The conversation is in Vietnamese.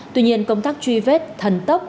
tuy nhiên công tác truy vết thần tốc